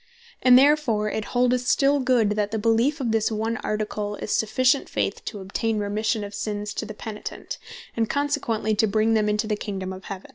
And therefore it holdeth still good, that the beleef of this one Article is sufficient faith to obtaine remission of sinnes to the Penitent, and consequently to bring them into the Kingdome of Heaven.